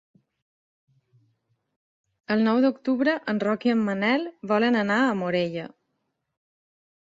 El nou d'octubre en Roc i en Manel volen anar a Morella.